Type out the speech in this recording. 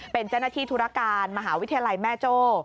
เป็นเจ้าหน้าที่ธุรการมหาวิทยาลัยแม่โจ้